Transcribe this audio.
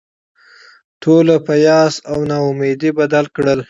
ټول په یاس او نا امیدي بدل کړل.